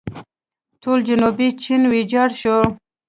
ټول جنوبي چین ویجاړ شو.